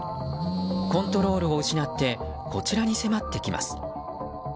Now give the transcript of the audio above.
コントロールを失ってこちらに迫ってきます。